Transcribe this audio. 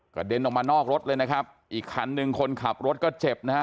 เด็นออกมานอกรถเลยนะครับอีกคันหนึ่งคนขับรถก็เจ็บนะฮะ